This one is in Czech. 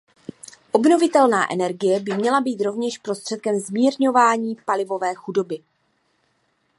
Obnovitelná energie by měla být rovněž prostředkem zmírňování palivové chudoby.